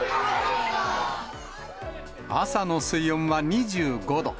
朝の水温は２５度。